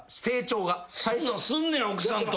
そんなんすんねや奥さんと。